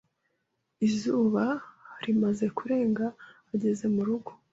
Izuba rimaze kurenga ageze murugo.